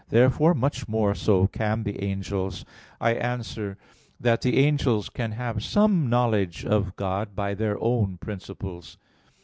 Therefore much more so can the angels. I answer that, The angels can have some knowledge of God by their own principles.